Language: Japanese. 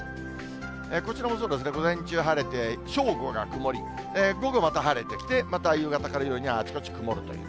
こちらもそうですね、午前中は晴れて、正午が曇り、午後また晴れてきて、また夕方から夜には、あちこち曇るという。